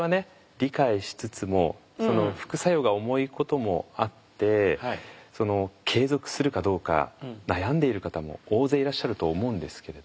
理解しつつも副作用が重いこともあって継続するかどうか悩んでいる方も大勢いらっしゃると思うんですけれども。